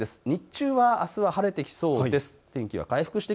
日中はあすは晴れてきそうです。